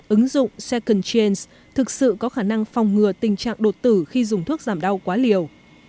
ứng dụng secentins thực sự có khả năng phòng ngừa tình trạng đột tử khi dùng thuốc giảm đau quá liều